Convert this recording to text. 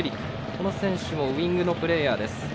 この選手もウィングのプレーヤーです。